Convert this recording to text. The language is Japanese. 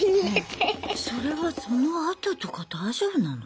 それはそのあととか大丈夫なの？